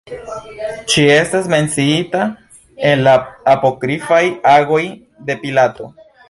Ŝi estas menciita en la apokrifaj Agoj de Pilato.